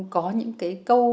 có những cái câu